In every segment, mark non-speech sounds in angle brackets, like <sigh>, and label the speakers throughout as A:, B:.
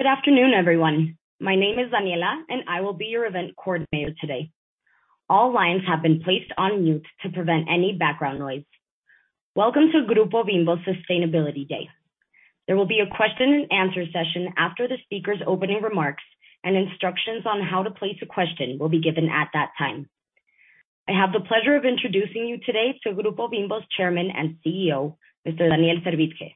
A: Good afternoon, everyone. My name is Daniela, and I will be your event coordinator today. All lines have been placed on mute to prevent any background noise. Welcome to Grupo Bimbo's Sustainability Day. There will be a question and answer session after the speaker's opening remarks, and instructions on how to place a question will be given at that time. I have the pleasure of introducing you today to Grupo Bimbo's Chairman and CEO, Mr. Daniel Servitje,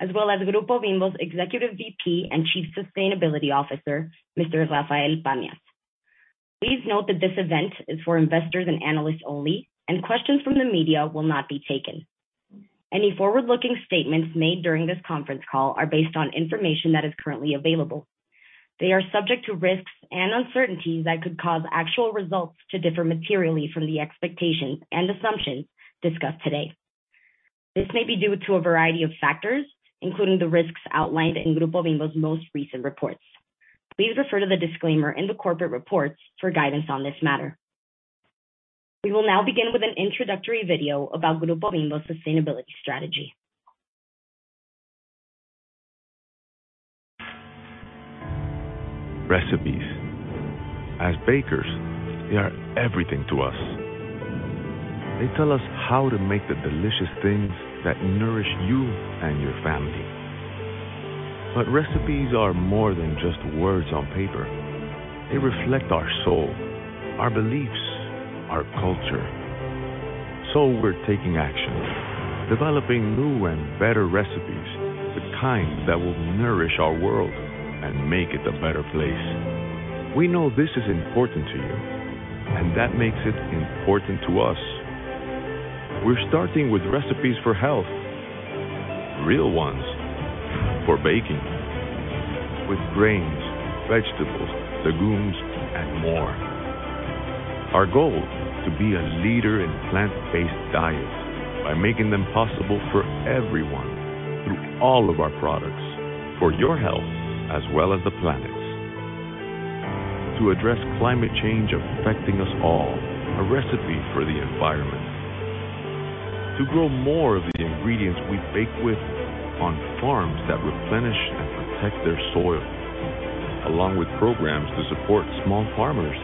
A: as well as Grupo Bimbo's Executive VP and Chief Sustainability Officer, Mr. Rafael Pamias. Please note that this event is for investors and analysts only, and questions from the media will not be taken. Any forward-looking statements made during this conference call are based on information that is currently available. They are subject to risks and uncertainties that could cause actual results to differ materially from the expectations and assumptions discussed today. This may be due to a variety of factors, including the risks outlined in Grupo Bimbo's most recent reports. Please refer to the disclaimer in the corporate reports for guidance on this matter. We will now begin with an introductory video about Grupo Bimbo's sustainability strategy.
B: Recipes. As bakers, they are everything to us. They tell us how to make the delicious things that nourish you and your family. But recipes are more than just words on paper. They reflect our soul, our beliefs, our culture. We're taking action, developing new and better recipes, the kind that will nourish our world and make it a better place. We know this is important to you, and that makes it important to us. We're starting with recipes for health, real ones for baking. With grains, vegetables, legumes, and more. Our goal. To be a leader in plant-based diets by making them possible for everyone through all of our products, for your health, as well as the planet's. To address climate change affecting us all, a recipe for the environment. To grow more of the ingredients we bake with on farms that replenish and protect their soil, along with programs to support small farmers.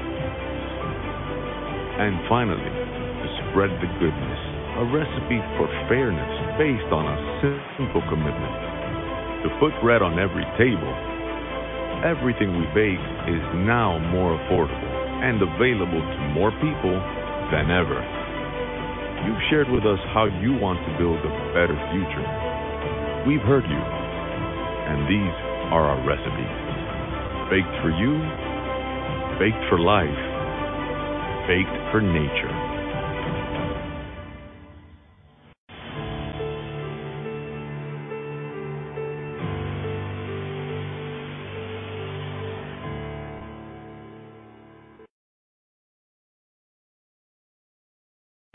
B: Finally, to spread the goodness, a recipe for fairness based on a simple commitment: to put bread on every table. Everything we bake is now more affordable and available to more people than ever. You've shared with us how you want to build a better future. We've heard you, and these are our recipes. Baked for You, Baked for Life, Baked for Nature.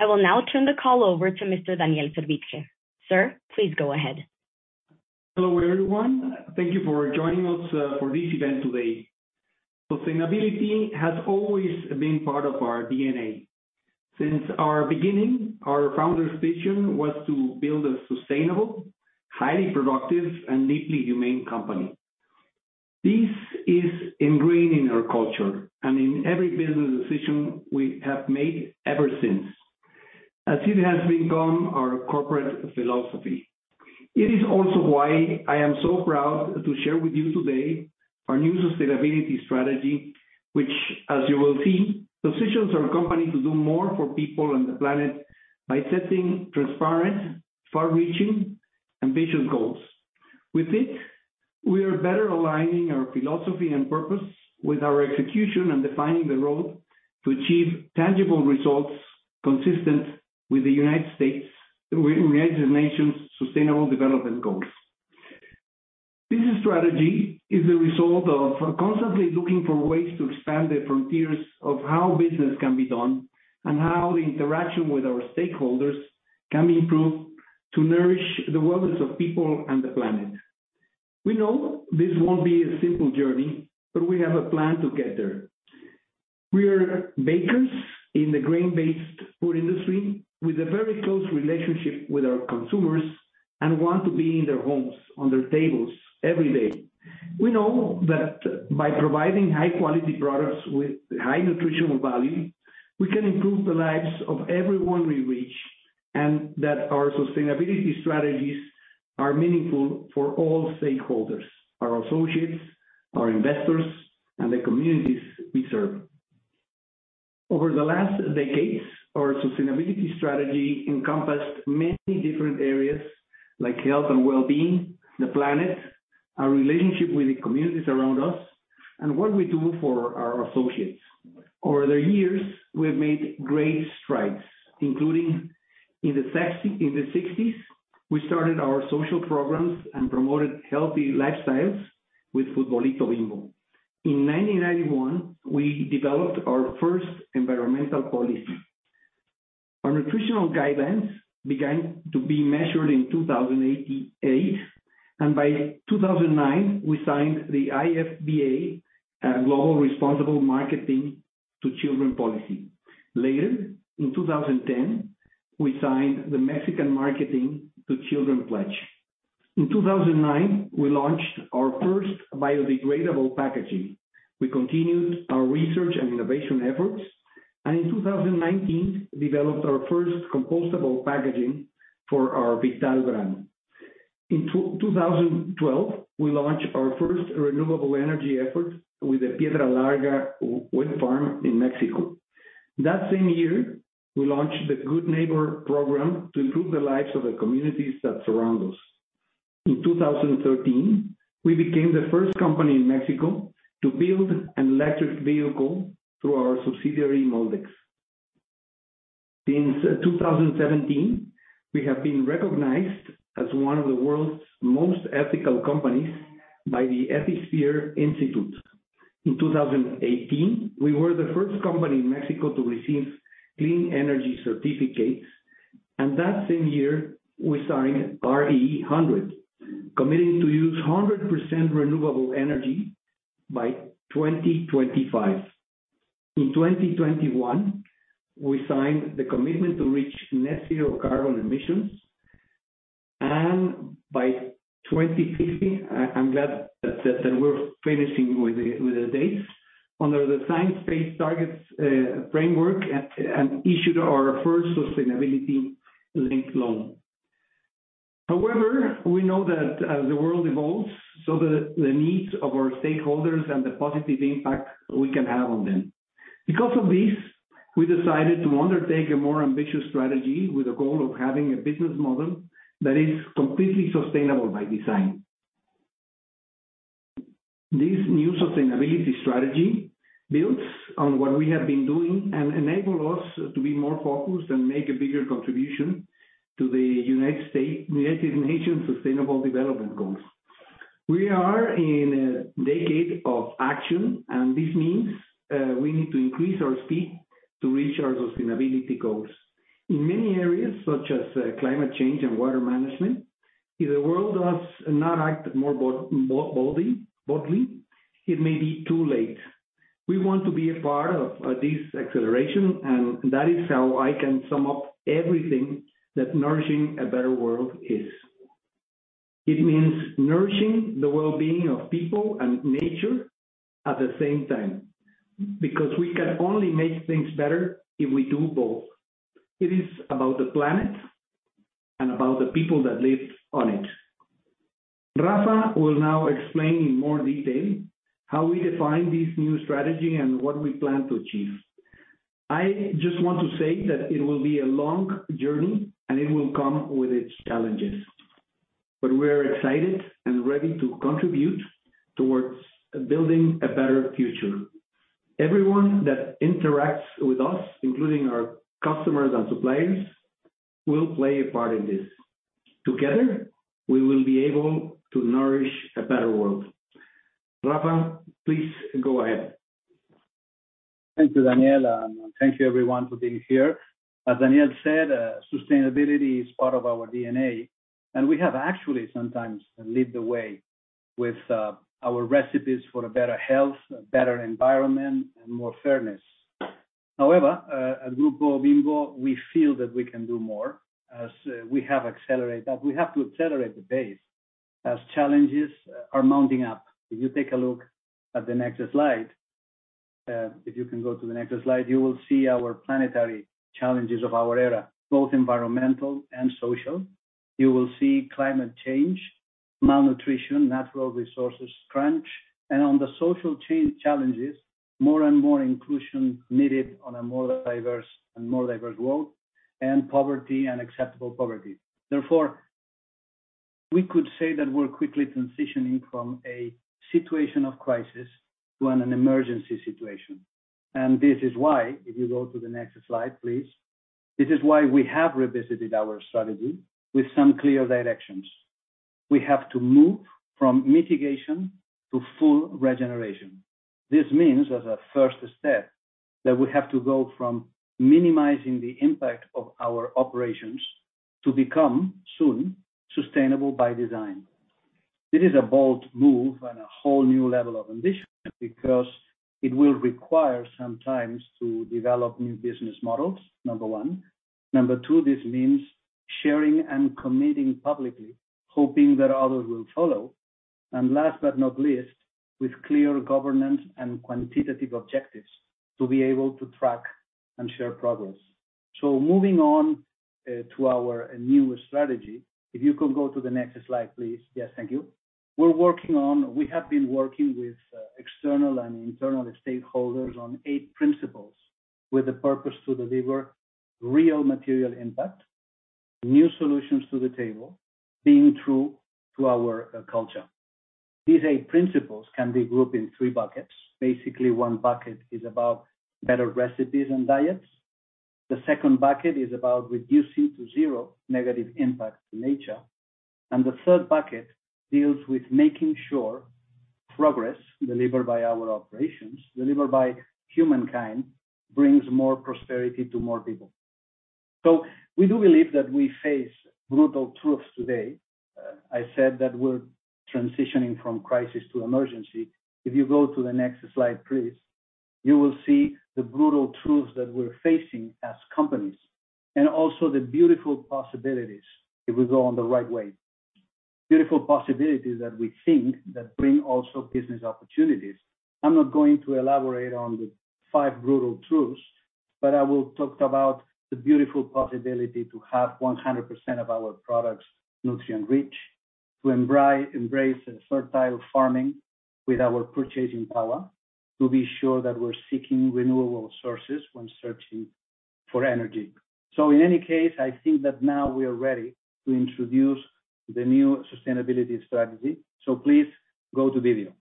A: I will now turn the call over to Mr. Daniel Servitje. Sir, please go ahead.
C: Hello, everyone. Thank you for joining us for this event today. Sustainability has always been part of our DNA. Since our beginning, our founder's vision was to build a sustainable, highly productive, and deeply humane company. This is ingrained in our culture and in every business decision we have made ever since, as it has become our corporate philosophy. It is also why I am so proud to share with you today our new sustainability strategy, which, as you will see, positions our company to do more for people and the planet by setting transparent, far-reaching, ambitious goals. With it, we are better aligning our philosophy and purpose with our execution and defining the road to achieve tangible results consistent with the United Nations Sustainable Development Goals. This strategy is the result of constantly looking for ways to expand the frontiers of how business can be done and how the interaction with our stakeholders can be improved to nourish the wellness of people and the planet. We know this won't be a simple journey, but we have a plan to get there. We are bakers in the grain-based food industry with a very close relationship with our consumers and want to be in their homes, on their tables every day. We know that by providing high quality products with high nutritional value, we can improve the lives of everyone we reach, and that our sustainability strategies are meaningful for all stakeholders, our associates, our investors, and the communities we serve. Over the last decades, our sustainability strategy encompassed many different areas, like health and well-being, the planet, our relationship with the communities around us, and what we do for our associates. Over the years, we have made great strides, including in the 1960s, we started our social programs and promoted healthy lifestyles with Futbolito Bimbo. In 1991, we developed our first environmental policy. Our nutritional guidelines began to be measured in 2008, and by 2009, we signed the IFBA Global Responsible Marketing to Children policy. Later, in 2010, we signed the Mexican Marketing to Children pledge. In 2009, we launched our first biodegradable packaging. We continued our research and innovation efforts, and in 2019 developed our first compostable packaging for our Vital brand. In 2012, we launched our first renewable energy effort with the Piedra Larga windfarm in Mexico. That same year, we launched the Good Neighbor program to improve the lives of the communities that surround us. In 2013, we became the first company in Mexico to build an electric vehicle through our subsidiary, Moldex. Since 2017, we have been recognized as one of the world's most ethical companies by the Ethisphere Institute. In 2018, we were the first company in Mexico to receive clean energy certificates, and that same year we signed RE100, committing to use 100% renewable energy by 2025. In 2021, we signed the commitment to reach net zero carbon emissions, and by 2050, we're finishing with the dates under the Science Based Targets framework and issued our first sustainability-linked loan. However, we know that as the world evolves, so the needs of our stakeholders and the positive impact we can have on them. Because of this, we decided to undertake a more ambitious strategy with a goal of having a business model that is completely sustainable by design. This new sustainability strategy builds on what we have been doing and enable us to be more focused and make a bigger contribution to the United Nations Sustainable Development Goals. We are in a decade of action, and this means we need to increase our speed to reach our sustainability goals. In many areas, such as climate change and water management, if the world does not act more boldly, it may be too late. We want to be a part of this acceleration, and that is how I can sum up everything that nourishing a better world is. It means nourishing the well-being of people and nature at the same time, because we can only make things better if we do both. It is about the planet and about the people that live on it. Rafa will now explain in more detail how we define this new strategy and what we plan to achieve. I just want to say that it will be a long journey, and it will come with its challenges. We're excited and ready to contribute towards building a better future. Everyone that interacts with us, including our customers and suppliers, will play a part in this. Together, we will be able to nourish a better world. Rafa, please go ahead.
D: Thank you, Daniel, and thank you everyone for being here. As Daniel said, sustainability is part of our DNA, and we have actually sometimes lead the way with our recipes for a better health, a better environment, and more fairness. However, at Grupo Bimbo, we feel that we can do more as we have to accelerate the pace as challenges are mounting up. If you take a look at the next slide, if you can go to the next slide, you will see our planetary challenges of our era, both environmental and social. You will see climate change, malnutrition, natural resources crunch, and on the social change challenges, more and more inclusion needed on a more diverse world, and poverty, unacceptable poverty. Therefore, we could say that we're quickly transitioning from a situation of crisis to an emergency situation. This is why, if you go to the next slide, please, this is why we have revisited our strategy with some clear directions. We have to move from mitigation to full regeneration. This means, as a first step, that we have to go from minimizing the impact of our operations to become soon sustainable by design. It is a bold move and a whole new level of ambition because it will require sometimes to develop new business models, number one. Number two, this means sharing and committing publicly, hoping that others will follow. Last but not least, with clear governance and quantitative objectives to be able to track and share progress. Moving on to our new strategy, if you could go to the next slide, please. Yes, thank you. We're working on... We have been working with external and internal stakeholders on eight principles with the purpose to deliver real material impact, new solutions to the table, being true to our culture. These eight principles can be grouped in three buckets. Basically, one bucket is about better recipes and diets. The second bucket is about reducing to zero negative impact to nature. The third bucket deals with making sure progress delivered by our operations, delivered by humankind, brings more prosperity to more people. We do believe that we face brutal truths today. I said that we're transitioning from crisis to emergency. If you go to the next slide, please, you will see the brutal truths that we're facing as companies, and also the beautiful possibilities if we go on the right way. Beautiful possibilities that we think that bring also business opportunities. I'm not going to elaborate on the five brutal truths, but I will talk about the beautiful possibility to have 100% of our products nutrient-rich, to embrace fertile farming with our purchasing power, to be sure that we're seeking renewable sources when searching for energy. In any case, I think that now we are ready to introduce the new sustainability strategy. Please go to video.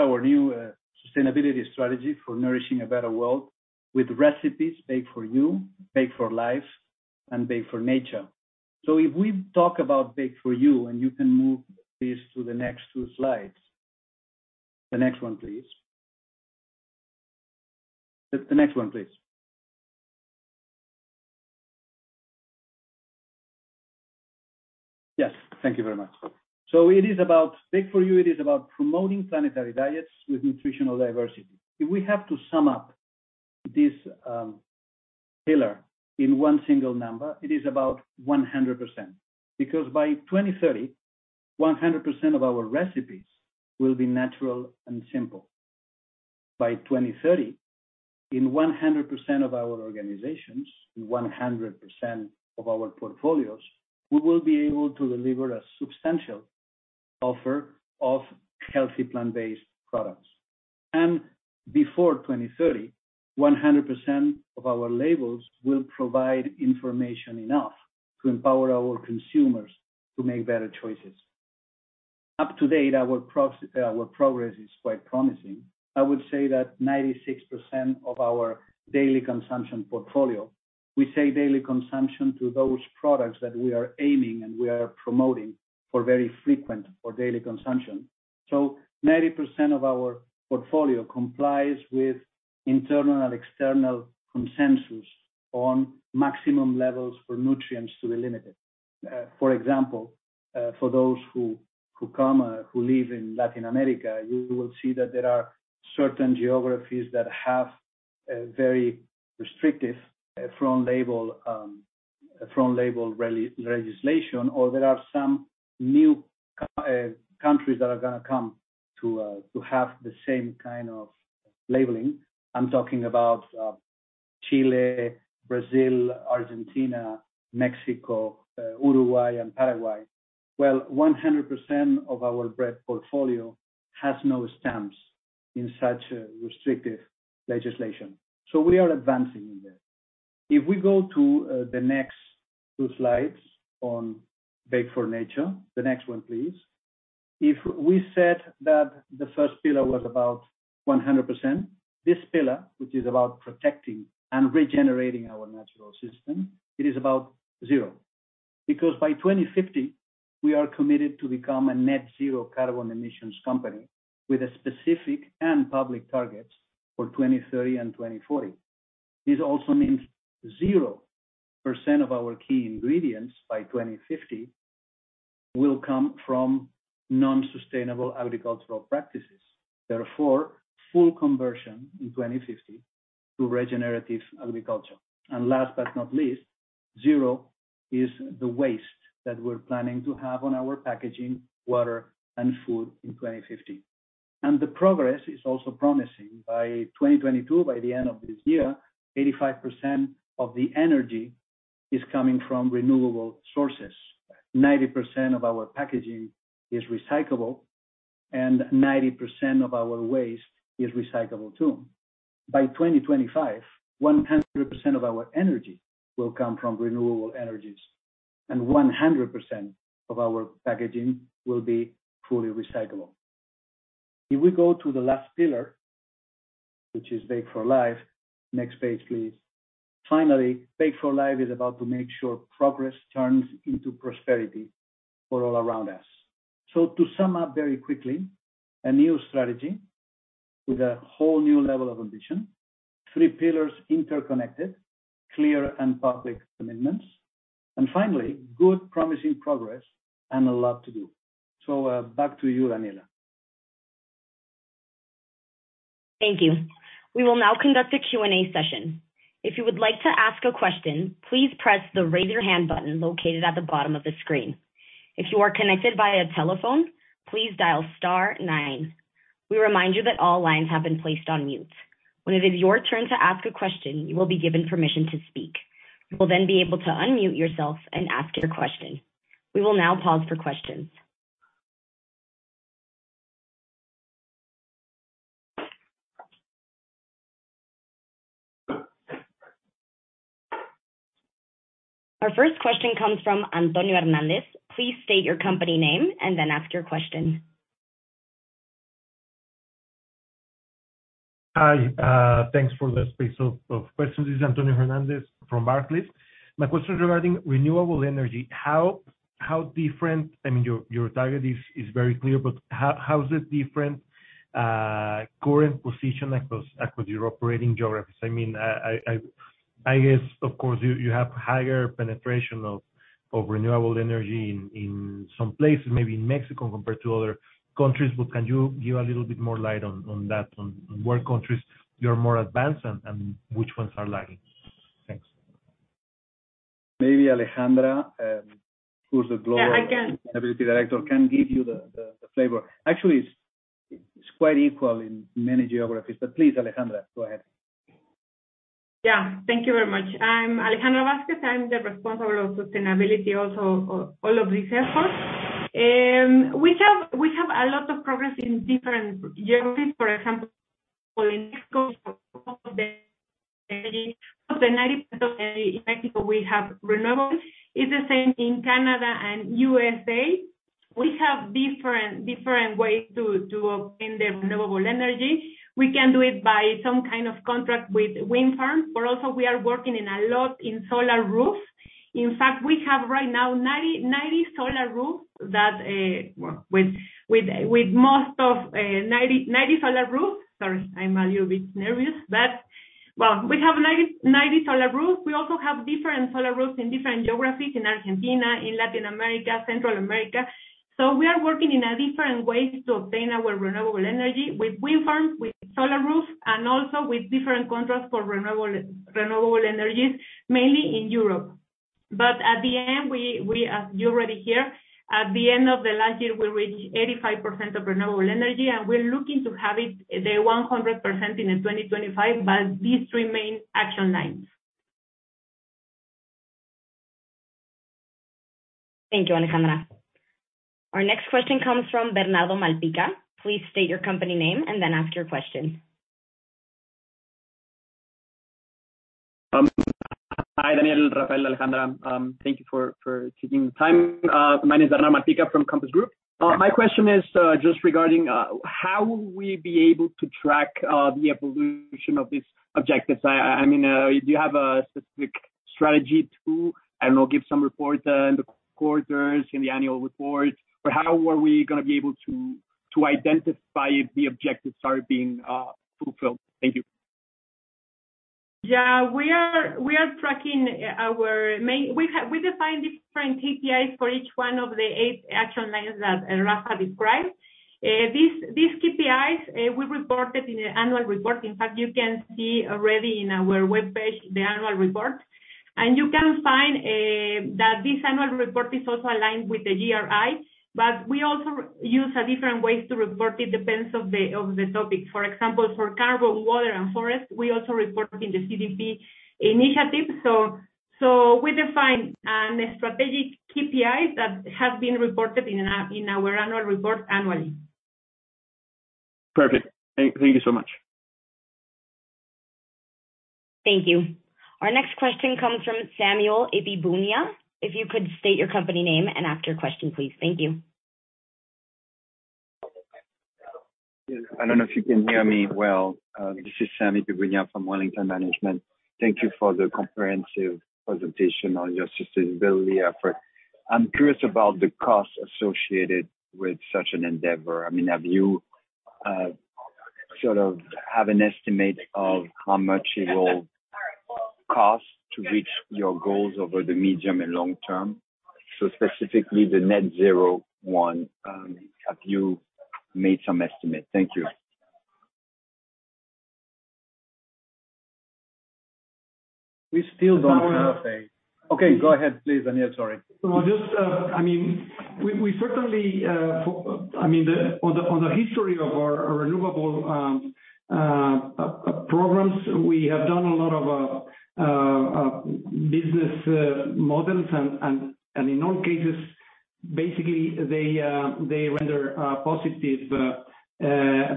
D: This is our new sustainability strategy for nourishing a better world with recipes Baked for You, Baked for Life, and Baked for Nature. If we talk about Baked for You, and you can move, please, to the next two slides. The next one, please. The next one, please. Yes. Thank you very much. It is about Baked for You. It is about promoting planetary diets with nutritional diversity. If we have to sum up this pillar in one single number, it is about 100%. By 2030, 100% of our recipes will be natural and simple. By 2030, in 100% of our organizations, in 100% of our portfolios, we will be able to deliver a substantial offer of healthy plant-based products. Before 2030, 100% of our labels will provide information enough to empower our consumers to make better choices. To date, our progress is quite promising. I would say that 96% of our daily consumption portfolio, we say daily consumption to those products that we are aiming and we are promoting for very frequent or daily consumption. 90% of our portfolio complies with internal and external consensus on maximum levels for nutrients to be limited. For example, for those who live in Latin America, you will see that there are certain geographies that have a very restrictive front label legislation or there are some new countries that are gonna come to have the same kind of labeling. I'm talking about Chile, Brazil, Argentina, Mexico, Uruguay, and Paraguay. Well, 100% of our bread portfolio has no stamps in such a restrictive legislation. We are advancing in that. If we go to the next two slides on Baked for Nature. The next one, please. If we said that the first pillar was about 100%, this pillar, which is about protecting and regenerating our natural systems, it is about zero. Because by 2050, we are committed to become a net zero carbon emissions company with a specific and public targets for 2030 and 2040. This also means 0% of our key ingredients by 2050 will come from non-sustainable agricultural practices. Therefore, full conversion in 2050 to regenerative agriculture. Last but not least, zero is the waste that we're planning to have on our packaging, water and food in 2050. The progress is also promising. By 2022, by the end of this year, 85% of the energy is coming from renewable sources. 90% of our packaging is recyclable, and 90% of our waste is recyclable too. By 2025, 100% of our energy will come from renewable energies, and 100% of our packaging will be fully recyclable. If we go to the last pillar, which is Baked for Life. Next page, please. Finally, Baked for Life is about to make sure progress turns into prosperity for all around us. To sum up very quickly, a new strategy with a whole new level of ambition, three pillars interconnected, clear and public commitments, and finally, good promising progress and a lot to do. Back to you, Daniela.
A: Thank you. We will now conduct a Q&A session. If you would like to ask a question, please press the Raise Your Hand button located at the bottom of the screen. If you are connected via telephone, please dial star nine. We remind you that all lines have been placed on mute. When it is your turn to ask a question, you will be given permission to speak. You will then be able to unmute yourself and ask your question. We will now pause for questions. Our first question comes from Antonio Hernández. Please state your company name and then ask your question.
E: Hi, thanks for the space of questions. This is Antonio Hernández from Barclays. My question regarding renewable energy, how different. I mean, your target is very clear, but how is it different current position across your operating geographies? I mean, I guess, of course, you have higher penetration of renewable energy in some places, maybe in Mexico compared to other countries, but can you give a little bit more light on that, on where countries you're more advanced and which ones are lagging? Thanks.
D: Maybe Alejandra, who's the global?
F: Yeah, I can.
D: The Sustainability Director can give you the flavor. Actually, it's quite equal in many geographies. Please, Alejandra, go ahead.
F: Yeah. Thank you very much. I'm Alejandra Vázquez. I'm the responsible of sustainability also all of these efforts. We have a lot of progress in different geographies. For example, in Mexico we have renewable. It's the same in Canada and USA. We have different ways to obtain the renewable energy. We can do it by some kind of contract with wind farms, but also we are working a lot in solar roofs. In fact, we have right now 90 solar roofs that with most of 90 solar roofs. Sorry, I'm a little bit nervous. Well, we have 90 solar roofs. We also have different solar roofs in different geographies, in Argentina, in Latin America, Central America. We are working in different ways to obtain our renewable energy with wind farms, with solar roofs, and also with different contracts for renewable energies, mainly in Europe. But at the end, we, as you already hear, at the end of the last year, we reached 85% of renewable energy, and we're looking to have it, the 100% in 2025, but these remain action lines.
A: Thank you, Alejandra. Our next question comes from Bernardo Malpica. Please state your company name and then ask your question.
G: Hi, Daniel, Rafael, Alejandra. Thank you for taking the time. My name is Bernardo Malpica from Compass Group. My question is just regarding how will we be able to track the evolution of these objectives? I mean, do you have a specific strategy to, I don't know, give some reports in the quarters, in the annual reports? Or how are we gonna be able to identify if the objectives are being fulfilled? Thank you.
F: We are tracking our main. We define different KPIs for each one of the eight action lines that Rafa described. These KPIs we reported in the annual report. In fact, you can see already in our webpage the annual report. You can find that this annual report is also aligned with the GRI, but we also use different ways to report. It depends on the topic. For example, for carbon, water, and forest, we also report in the CDP initiative. We define strategic KPIs that have been reported in our annual report annually.
G: Perfect. Thank you so much.
A: Thank you. Our next question comes from Samuel Epee-Bounya. If you could state your company name and ask your question, please. Thank you.
D: Yes.
H: I don't know if you can hear me well. This is Sam Epee-Bounya from Wellington Management. Thank you for the comprehensive presentation on your sustainability effort. I'm curious about the costs associated with such an endeavor. I mean, have you, sort of have an estimate of how much it will cost to reach your goals over the medium and long term? Specifically the net zero one, have you made some estimate? Thank you.
D: We still don't have.
C: If I may.
D: Okay, go ahead, please, Daniel. Sorry.
C: No, just, I mean, we certainly, I mean, on the history of our renewable programs, we have done a lot of business models and, in all cases, basically they render positive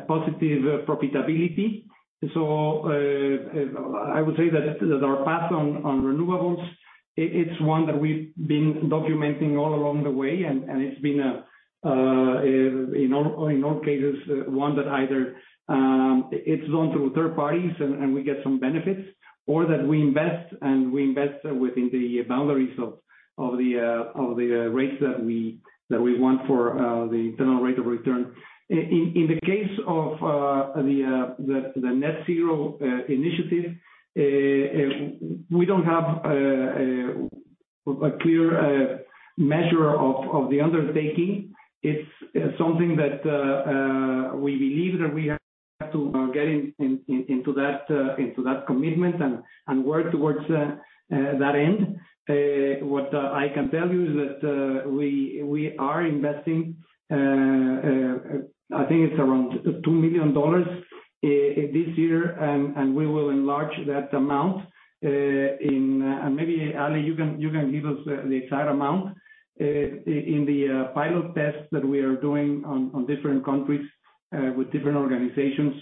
C: profitability. I would say that our path on renewables, it's one that we've been documenting all along the way, and it's been, in all cases, one that either it's done through third parties and we get some benefits, or that we invest within the boundaries of the rates that we want for the internal rate of return. In the case of the net zero initiative, we don't have a clear measure of the undertaking. It's something that we believe that we have to get into that commitment and work towards that end. What I can tell you is that we are investing, I think it's around $2 million this year, and we will enlarge that amount. Maybe, Ale, you can give us the exact amount in the pilot tests that we are doing on different countries with different organizations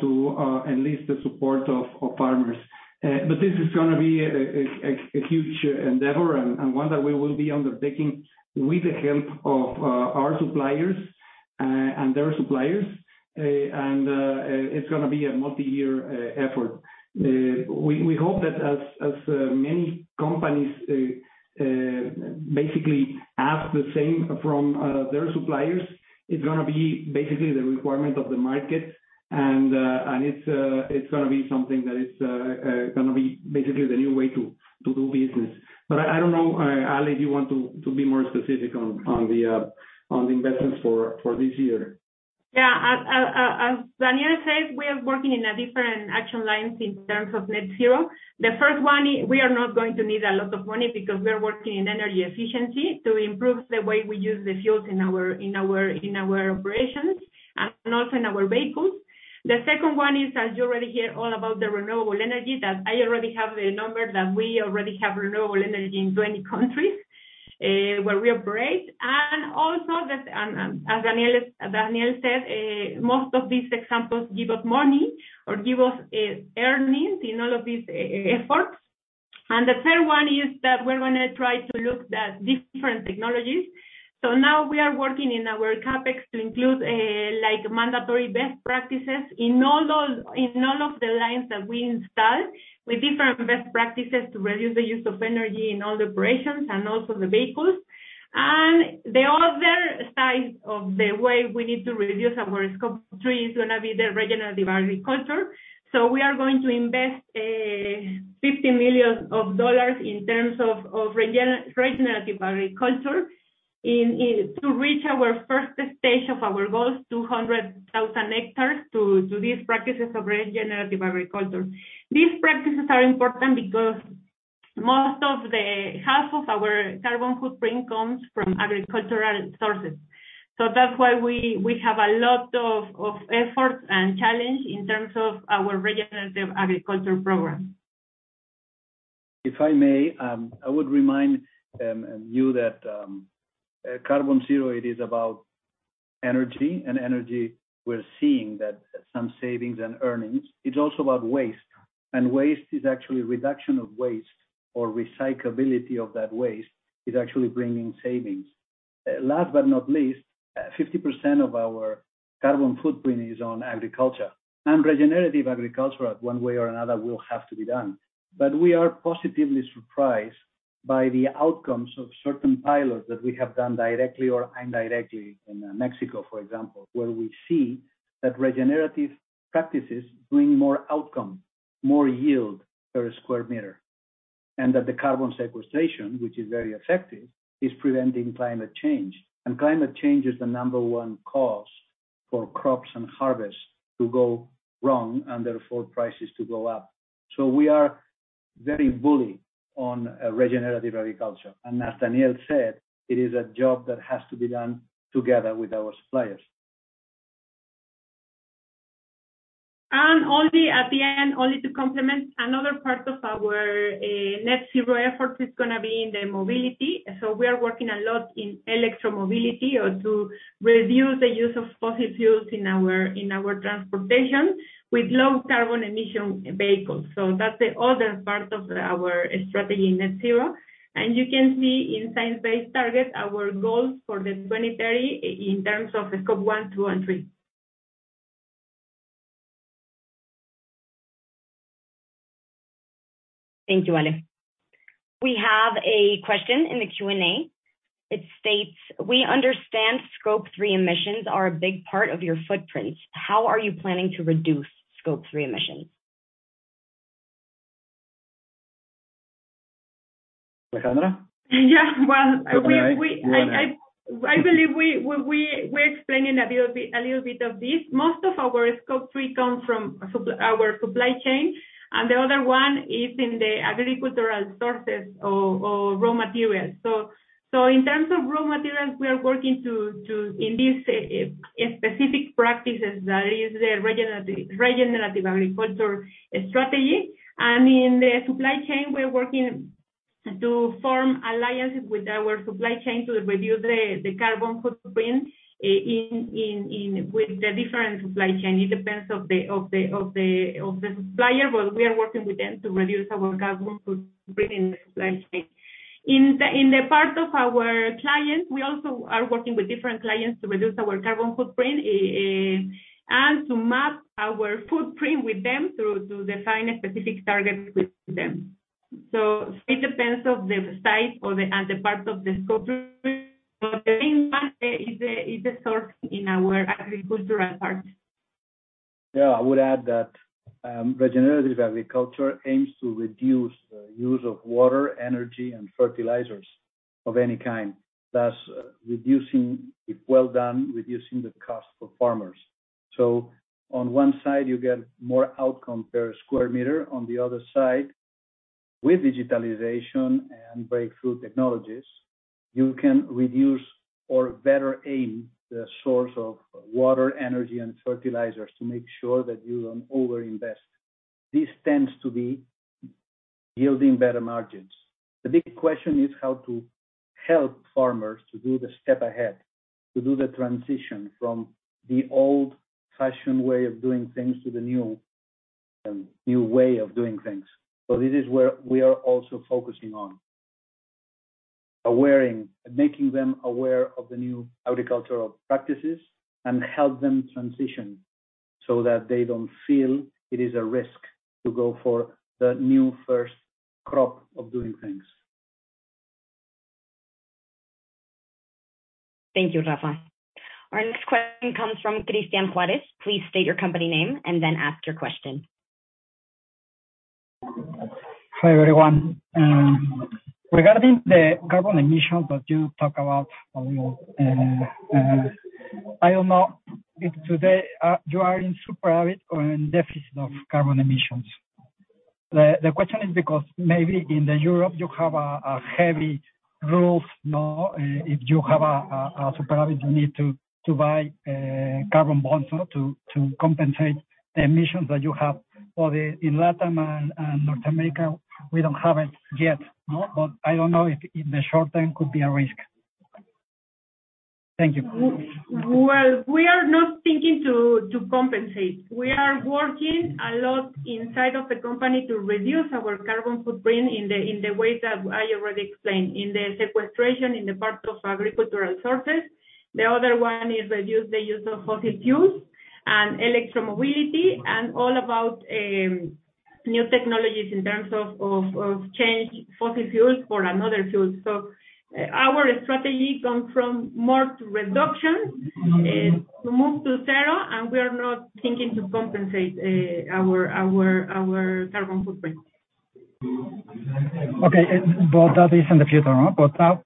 C: to enlist the support of farmers. This is gonna be a huge endeavor and one that we will be undertaking with the help of our suppliers and their suppliers. It's gonna be a multi-year effort. We hope that as many companies basically ask the same from their suppliers, it's gonna be basically the requirement of the market. It's gonna be something that is gonna be basically the new way to do business. I don't know, Ale, if you want to be more specific on the investments for this year.
F: Yeah. As Daniel said, we are working in a different action lines in terms of net zero. The first one, we are not going to need a lot of money because we are working in energy efficiency to improve the way we use the fuels in our operations and also in our vehicles. The second one is, as you already hear all about the renewable energy, that I already have the number that we already have renewable energy in 20 countries, where we operate. Also that, as Daniel said, most of these examples give us money or earnings in all of these efforts. The third one is that we're gonna try to look at different technologies. Now we are working in our CapEx to include like mandatory best practices in all of the lines that we install, with different best practices to reduce the use of energy in all the operations and also the vehicles. The other side of the way we need to reduce our Scope 3 is gonna be the regenerative agriculture. We are going to invest $50 million in terms of regenerative agriculture to reach our first stage of our goals, 200,000 hectares to these practices of regenerative agriculture. These practices are important because most of the half of our carbon footprint comes from agricultural sources. That's why we have a lot of effort and challenge in terms of our regenerative agriculture program.
D: If I may, I would remind you that carbon zero, it is about energy, and energy we're seeing that some savings and earnings. It's also about waste, and waste is actually reduction of waste or recyclability of that waste is actually bringing savings. Last but not least, 50% of our carbon footprint is on agriculture. Regenerative agriculture, one way or another, will have to be done. We are positively surprised by the outcomes of certain pilots that we have done directly or indirectly in Mexico, for example, where we see that regenerative practices bring more outcome, more yield per square meter, and that the carbon sequestration, which is very effective, is preventing climate change. Climate change is the number one cause for crops and harvests to go wrong, and therefore prices to go up. We are very bully on regenerative agriculture. As Daniel said, it is a job that has to be done together with our suppliers.
F: Only at the end, only to complement, another part of our net zero effort is gonna be in the mobility. We are working a lot in electromobility or to reduce the use of fossil fuels in our transportation with low carbon emission vehicles. That's the other part of our strategy in net zero. You can see in Science Based Targets our goals for the 2030 in terms of Scope 1, 2, and 3.
A: Thank you, Ale. We have a question in the Q&A. It states, "We understand Scope 3 emissions are a big part of your footprint. How are you planning to reduce Scope 3 emissions?"
D: Alejandra?
F: Yeah. Well, we
D: Go ahead.
F: I believe we explaining a little bit of this. Most of our Scope 3 comes from our supply chain, and the other one is in the agricultural sources of raw materials. In terms of raw materials, we are working to in this specific practices that is the regenerative agriculture strategy. In the supply chain, we're working to form alliances with our supply chain to reduce the carbon footprint with the different supply chain. It depends of the supplier, but we are working with them to reduce our carbon footprint in the supply chain. In the part of our clients, we also are working with different clients to reduce our carbon footprint, and to map our footprint with them to define a specific target with them. It depends on the size and the part of the scope is the source in our agricultural part.
D: Yeah. I would add that regenerative agriculture aims to reduce the use of water, energy, and fertilizers of any kind, thus reducing, if well done, the cost for farmers. On one side, you get more outcome per square meter. On the other side, with digitalization and breakthrough technologies, you can reduce or better aim the source of water, energy, and fertilizers to make sure that you don't overinvest. This tends to be yielding better margins. The big question is how to help farmers to do the step ahead, to do the transition from the old-fashioned way of doing things to the new way of doing things. This is where we are also focusing on. Making them aware of the new agricultural practices and help them transition so that they don't feel it is a risk to go for the new first crop of doing things.
A: Thank you, Rafa. Our next question comes from Christian Juarez. Please state your company name and then ask your question.
I: Hi, everyone. Regarding the carbon emissions that you talk about a little, I don't know if today you are in surplus or in deficit of carbon emissions. The question is because maybe in Europe you have heavy rules. Now, if you have a surplus, you need to buy carbon bonds to compensate the emissions that you have. In LatAm and North America, we don't have it yet. No, but I don't know if in the short term could be a risk. Thank you.
F: We are not thinking to compensate. We are working a lot inside of the company to reduce our carbon footprint in the ways that I already explained, in the sequestration, in the part of agricultural sources. The other one is reduce the use of fossil fuels and electromobility and all about new technologies in terms of change fossil fuels for another fuels. Our strategy comes from more to reduction to move to zero, and we are not thinking to compensate our carbon footprint.
I: Okay. That is in the future, no?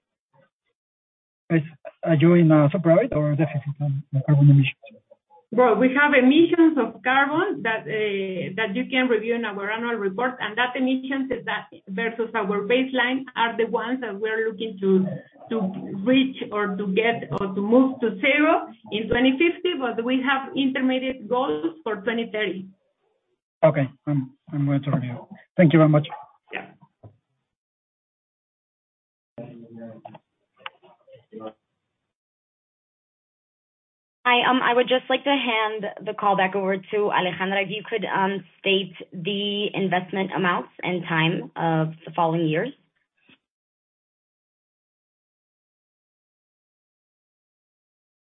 I: Are you in a surplus or deficit on the carbon emissions?
F: Well, we have emissions of carbon that you can review in our annual report. Those emissions versus our baseline are the ones that we're looking to reach or to get or to move to zero in 2050, but we have intermediate goals for 2030.
I: Okay. I'm going to review. Thank you very much.
D: Yeah.
A: Hi. I would just like to hand the call back over to Alejandra. If you could, state the investment amounts and time of the following years.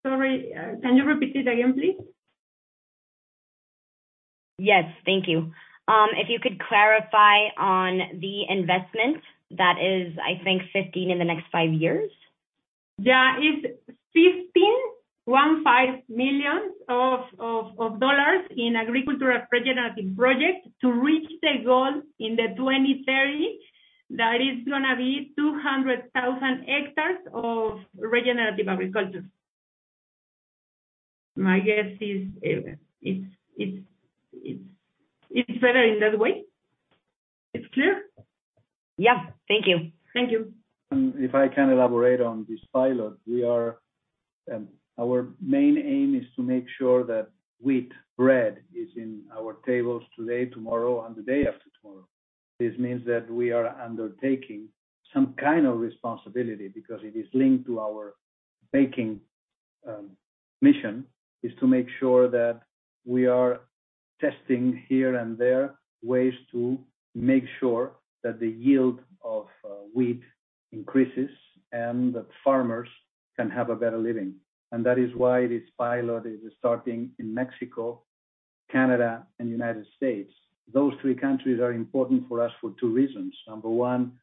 F: Sorry, can you repeat it again, please?
A: Yes. Thank you. If you could clarify on the investment that is, I think, $15 in the next five years.
F: Yeah. It's $15, one-five, million in agricultural regenerative projects to reach the goal in 2030. That is gonna be 200,000 hectares of regenerative agriculture. My guess is, it's better in that way? It's clear?
A: Yeah. Thank you.
F: Thank you.
D: If I can elaborate on this pilot, we are. Our main aim is to make sure that wheat bread is in our tables today, tomorrow, and the day after tomorrow. This means that we are undertaking some kind of responsibility because it is linked to our baking mission is to make sure that we are testing here and there ways to make sure that the yield of wheat increases and that farmers can have a better living. This pilot is starting in Mexico, Canada, and United States. Those three countries are important for us for two reasons. Number one,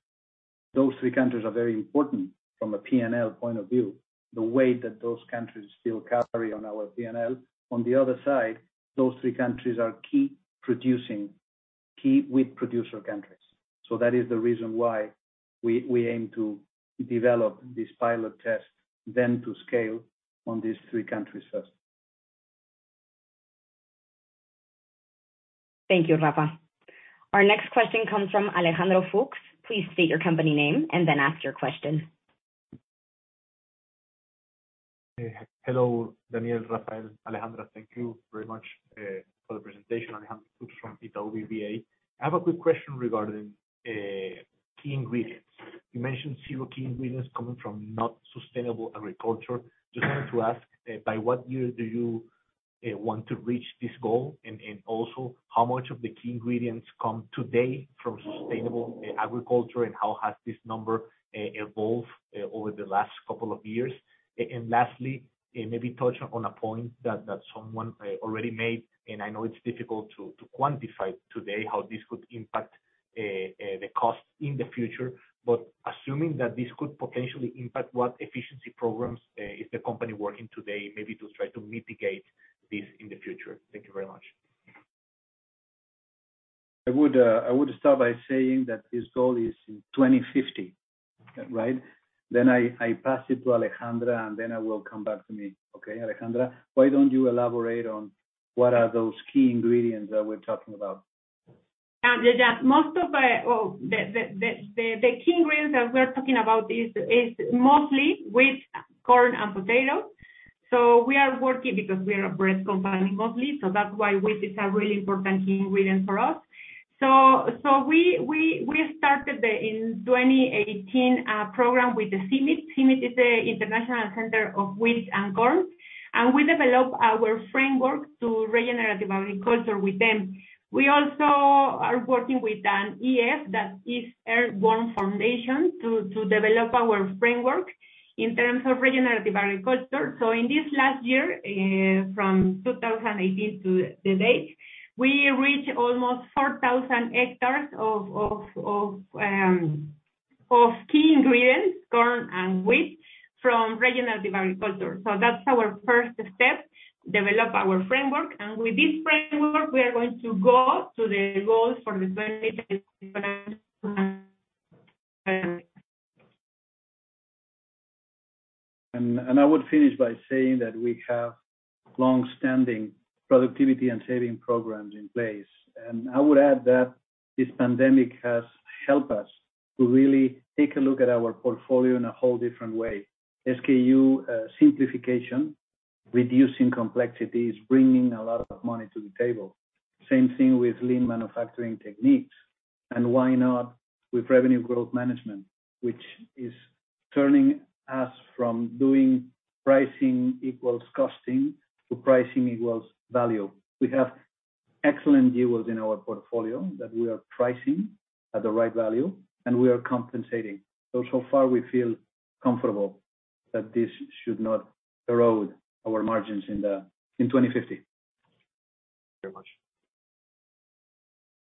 D: those three countries are very important from a P&L point of view, the way that those countries still carry on our P&L. On the other side, those three countries are key wheat producer countries. That is the reason why we aim to develop this pilot test, then to scale on these three countries first.
A: Thank you, Rafa. Our next question comes from Alejandro Fuchs. Please state your company name and then ask your question.
J: Hello, Daniel, Rafael, Alejandra. Thank you very much for the presentation. Alejandro Fuchs from Itaú BBA. I have a quick question regarding key ingredients. You mentioned several key ingredients coming from not sustainable agriculture. Just wanted to ask by what year do you want to reach this goal? And also how much of the key ingredients come today from sustainable agriculture, and how has this number evolved over the last couple of years? And lastly, maybe touch on a point that someone already made, and I know it's difficult to quantify today how this could impact the cost in the future. But assuming that this could potentially impact, what efficiency programs is the company working today maybe to try to mitigate this in the future? Thank you very much.
D: I would start by saying that this goal is in 2050, right? I pass it to Alejandra, and then I will come back to me. Okay, Alejandra, why don't you elaborate on what are those key ingredients that we're talking about?
F: The key ingredients that we're talking about are mostly wheat, corn, and potatoes. We are working because we are a bread company mostly, so that's why wheat is a really important key ingredient for us. We started in 2018 a program with the CIMMYT. CIMMYT is an international center of wheat and corn, and we develop our framework to regenerative agriculture with them. We also are working with an EF, that is Earthworm Foundation, to develop our framework in terms of regenerative agriculture. In this last year, from 2018 to date, we reach almost 4,000 hectares of key ingredients, corn and wheat, from regenerative agriculture. That's our first step, develop our framework. With this framework, we are going to go to the goals for the <audio distortion>
D: I would finish by saying that we have long-standing productivity and saving programs in place. I would add that this pandemic has helped us to really take a look at our portfolio in a whole different way. SKU simplification, reducing complexities, bringing a lot of money to the table. Same thing with lean manufacturing techniques. Why not with revenue growth management, which is turning us from doing pricing equals costing to pricing equals value. We have excellent deals in our portfolio that we are pricing at the right value, and we are compensating. So far we feel comfortable that this should not erode our margins in 2050.
J: Thank you very much.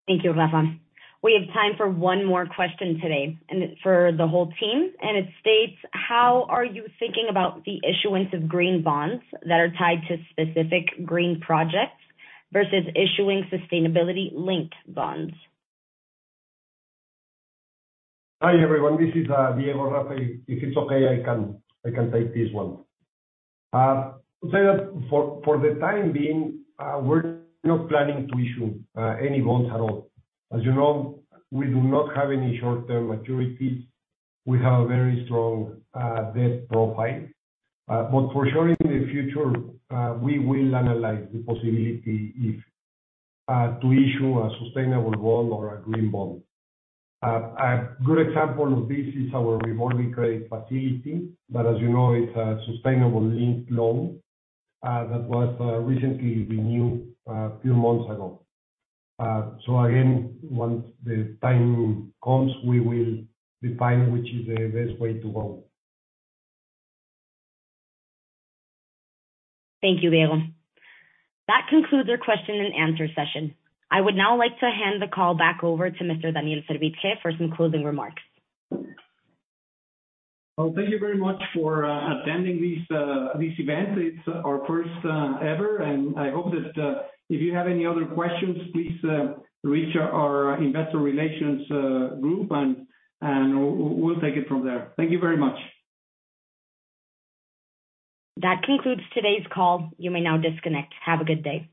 A: Thank you, Rafa. We have time for one more question today and it's for the whole team, and it states, "How are you thinking about the issuance of green bonds that are tied to specific green projects versus issuing sustainability linked bonds?"
K: Hi, everyone. This is Diego. Rafael, if it's okay, I can take this one. For the time being, we're not planning to issue any bonds at all. As you know, we do not have any short-term maturities. We have a very strong debt profile. For sure in the future, we will analyze the possibility of to issue a sustainable bond or a green bond. A good example of this is our revolving credit facility that, as you know, is a sustainability-linked loan that was recently renewed few months ago. Again, once the time comes, we will define which is the best way to go.
A: Thank you, Diego. That concludes our question and answer session. I would now like to hand the call back over to Mr. Daniel Servitje for some closing remarks.
C: Well, thank you very much for attending this event. It's our first ever, and I hope that if you have any other questions, please reach our investor relations group, and we'll take it from there. Thank you very much.
A: That concludes today's call. You may now disconnect. Have a good day.